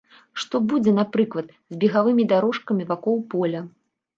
Што будзе, напрыклад, з бегавымі дарожкамі вакол поля?